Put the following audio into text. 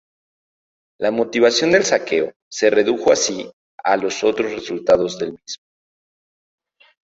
La motivación del saqueo se redujo así a los otros resultados del mismo.